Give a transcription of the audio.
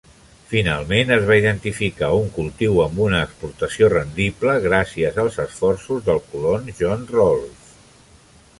Finalment, es va identificar un cultiu amb una exportació rendible gràcies als esforços del colon John Rolfe.